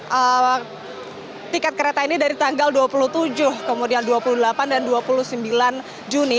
karena tiket kereta ini dari tanggal dua puluh tujuh kemudian dua puluh delapan dan dua puluh sembilan juni